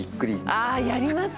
ああやります！